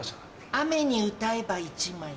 『雨に唄えば』１枚。